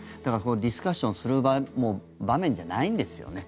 ディスカッションする場面じゃないんですよね。